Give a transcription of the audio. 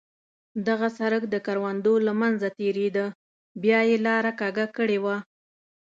دغه سړک د کروندو له منځه تېرېده، بیا یې لاره کږه کړې وه.